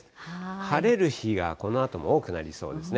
晴れる日がこのあとも多くなりそうですね。